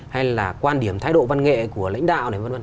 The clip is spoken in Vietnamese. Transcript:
hay là quan điểm thái độ văn nghệ của lãnh đạo này